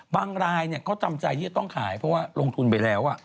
บางรายเขาจำใจที่จะต้องขายเพราะว่าลงทุนไปแล้ว